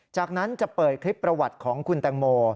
จากนั้นจะเปิดคลิปประวัติของคุณแตงโม